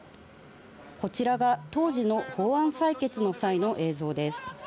こちらが当時の法案採決の際の映像です。